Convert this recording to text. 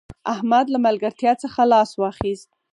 احمد له ملګرتیا څخه لاس واخيست